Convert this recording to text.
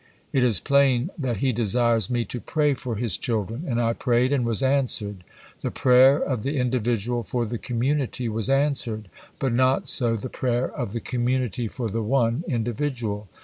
It is plain that He desires me to pray for His children;' and I prayed, and was answered. The prayer of the individual for the community was answered, but not so the prayer of the community for the one individual!